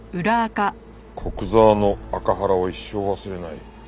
「古久沢のアカハラを一生忘れない」。